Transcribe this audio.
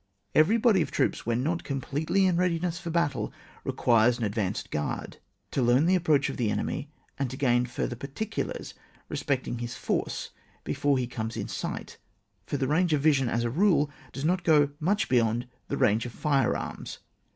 Every body of troops, when not com pletely in readiness for battle, requires an advanced guard to learn the approach of the enemy, and to gain further parti culars respecting his force before he comes in sight, for the range of vision, as a rule, does not go much beyond the range of firearms.